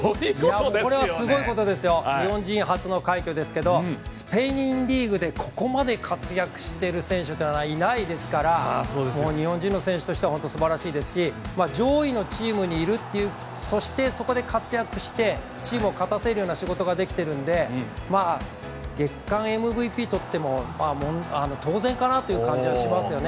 日本人初の快挙ですけどスペインリーグでここまで活躍してる選手っていないですから日本人の選手として本当素晴らしいですし上位のチームにいるっていうそしてそこで活躍してチームを勝たせるような仕事ができてるので月間ＭＶＰ取っても当然かなという感じはしますよね。